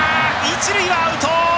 一塁はアウト！